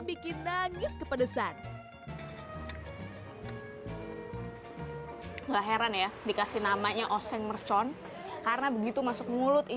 bikin nangis kepedesan enggak heran ya dikasih namanya oseng mercon karena begitu masuk mulut